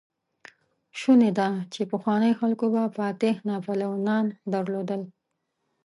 شونې ده، چې پخوانيو خلکو به فاتح ناپليونان درلودل.